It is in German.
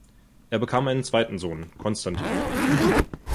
Er bekam einen zweiten Sohn, Constantin.